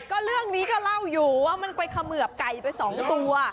ก็เรื่องนี้ก็เล่าอยู่ว่ามันไปเขมือบไก่ไปสองตัว